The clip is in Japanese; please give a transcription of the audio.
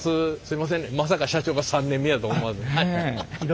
まさか社長が３年目やと思わず。